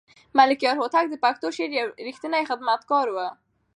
ملکیار هوتک د پښتو شعر یو رښتینی خدمتګار و.